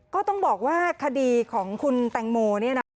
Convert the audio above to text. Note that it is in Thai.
ก็ต้องบอกว่าคดีของคุณแตงโมเนี่ยนะ